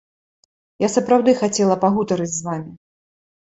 Я сапраўды хацела пагутарыць з вамі.